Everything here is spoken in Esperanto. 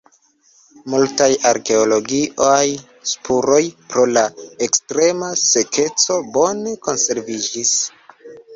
Multaj arkeologiaj spuroj pro la ekstrema sekeco bone konserviĝis.